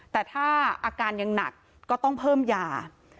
แต่ถ้าอาการยังหนักก็ต้องเพิ่มยา